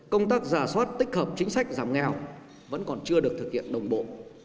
công tác giả soát tích hợp chính sách giảm nghèo vẫn còn chưa được thực hiện đồng bộ